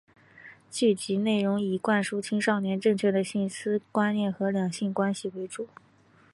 剧集内容以灌输青少年正确的性观念和两性关系为主。